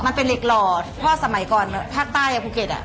มันเป็นเหล็กหล่อเพราะสมัยก่อนภาคใต้กับภูเก็ต